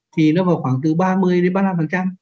thì nó vào khoảng từ ba mươi đến ba mươi năm